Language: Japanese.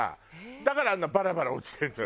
だからあんなバラバラ落ちてるのよ。